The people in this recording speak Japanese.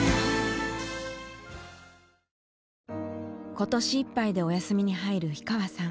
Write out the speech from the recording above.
今年いっぱいでお休みに入る氷川さん。